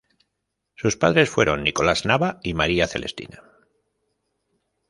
Sus padres fueron Nicolás Nava y María Celestina.